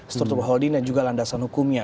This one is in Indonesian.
struktur holding dan juga landasan hukumnya